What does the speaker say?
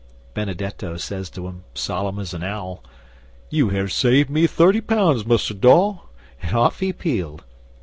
'Benedetto says to 'em, solemn as an owl: "You have saved me thirty pounds, Mus' Dawe," and off he pealed.